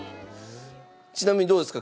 ちなみにどうですか？